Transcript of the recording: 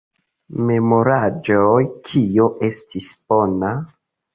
Memoraĵoj Kio estis bona?